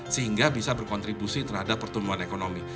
sehingga bisa berkontribusi terhadap pertumbuhan ekonomi